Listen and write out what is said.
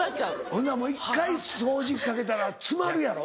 ほんなら一回掃除機かけたら詰まるやろ。